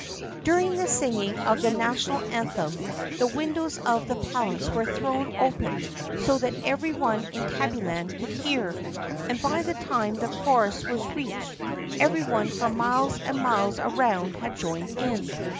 During the singing of the national anthem the windows of the palace were thrown open so that every one in Tabbyland could hear, and by the time the chorus was reached every one for miles and miles around had joined in.